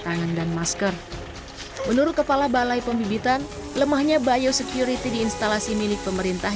tangan dan masker menurut kepala balai pembibitan lemahnya biosecurity di instalasi milik pemerintah